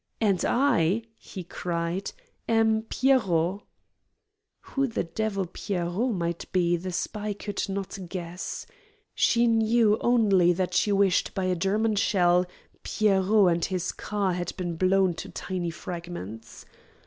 "And I," he cried, "am 'Pierrot'!" Who the devil "Pierrot" might be the spy could not guess. She knew only that she wished by a German shell "Pierrot" and his car had been blown to tiny fragments.